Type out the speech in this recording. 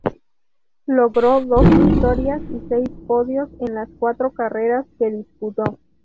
Logró dos victorias y seis podios en las cuatro carreras que disputó.